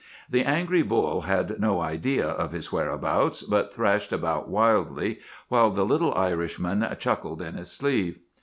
"The angry bull had no idea of his whereabouts, but thrashed around wildly, while the little Irishman chuckled in his sleeve.